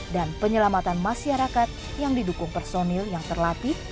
penyelamatan masyarakat yang didukung personil yang terlatih